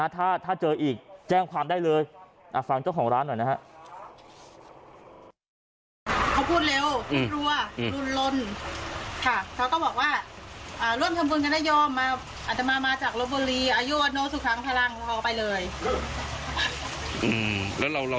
ถ้าเจออีกแจ้งความได้เลยฟังเจ้าของร้านหน่อยนะฮะ